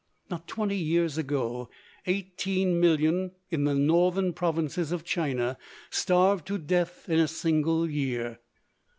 Not twenty years ago, 18,000,000 in the northern provinces of China starved to death in a single year.